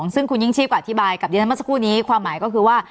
ซึ่งคุณยิ่งชีพก็อธิบายกับดิฉันเมื่อสักครู่นี้ความหมายก็คือว่า